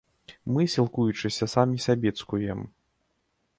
Мы, сілкуючыся, самі сябе цкуем!